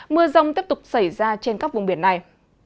mưa rông tiếp tục xảy ra trên các vùng biển này